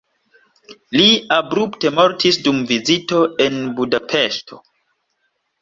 Li abrupte mortis dum vizito en Budapeŝto.